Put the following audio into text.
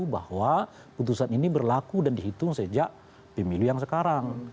bahwa keputusan ini berlaku dan dihitung sejak pemilihan sekarang